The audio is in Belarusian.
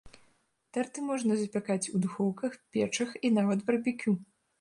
Тарты можна запякаць у духоўках, печах і нават барбекю.